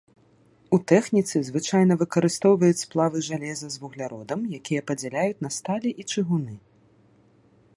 У тэхніцы звычайна выкарыстоўваюць сплавы жалеза з вугляродам, якія падзяляюць на сталі і чыгуны.